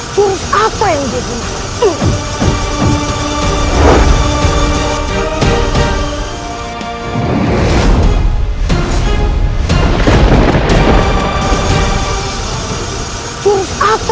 jumat apa yang dihitung